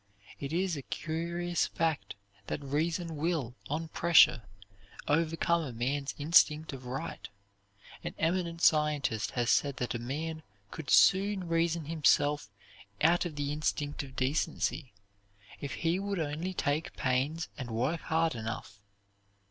It is a curious fact that reason will, on pressure, overcome a man's instinct of right. An eminent scientist has said that a man could soon reason himself out of the instinct of decency if he would only take pains and work hard enough.